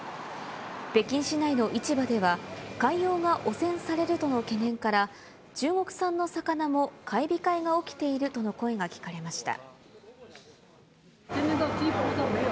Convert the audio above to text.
北京市内の市場では、海洋が汚染されるとの懸念から、中国産の魚も買い控えが起きているとの声が聞かれました。